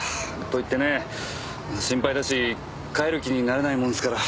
といってね心配だし帰る気になれないもんですから。